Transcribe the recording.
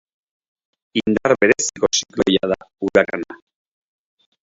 Indar bereziko zikloia da urakana.